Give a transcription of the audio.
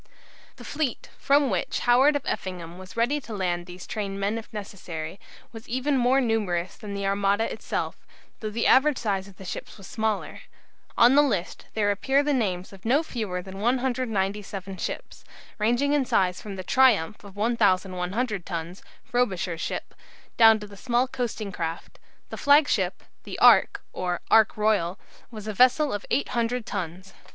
The fleet, from which Howard of Effingham was ready to land these trained men if necessary, was even more numerous than the Armada itself, though the average size of the ships was smaller. On the list there appear the names of no fewer than 197 ships, ranging in size from the "Triumph" of 1100 tons (Frobisher's ship) down to small coasting craft. The flagship, the "Ark," or "Ark Royal," was a vessel of 800 tons.